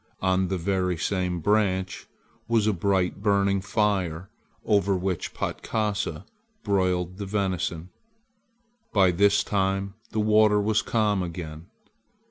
On the very same branch was a bright burning fire over which Patkasa broiled the venison. By this time the water was calm again.